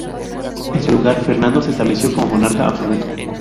En su lugar, Fernando se estableció como monarca absoluto.